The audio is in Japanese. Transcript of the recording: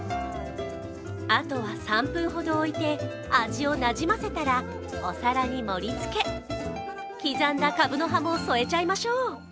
あとは３分ほど置いて味をなじませたらお皿に盛りつけ刻んだかぶの葉も添えちゃいましょう。